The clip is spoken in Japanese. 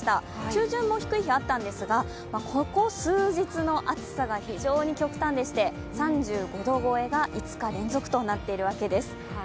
中旬も低い日あったんですが、ここ数日の暑さが非常に極端でして３５度超えが５日連続となっているわけです。